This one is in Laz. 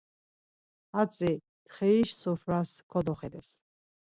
Hatzi ntxiriş sufras kodoxedes.